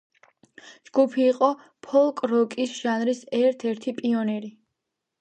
ჯგუფი იყო ფოლკ-როკის ჟანრის ერთ-ერთი პიონერი.